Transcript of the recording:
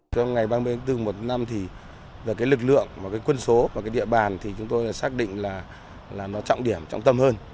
trong ngày ba mươi bốn một hai nghìn một mươi năm về lực lượng quân số và địa bàn chúng tôi xác định là nó trọng điểm trọng tâm hơn